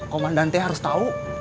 komandante harus tahu